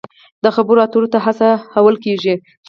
د خبرو اترو ته هڅول کیږي.